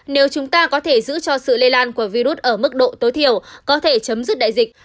nếu chúng ta có thể giữ cho sự lây lan của virus ở mức độ tối thiểu có thể chấm dứt đại dịch